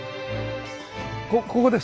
ここです。